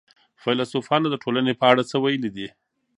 فيلسوفانو د ټولني په اړه څه ويلي دي؟